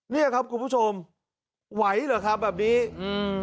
เนี่ยครับคุณผู้ชมไหวเหรอครับแบบนี้อืม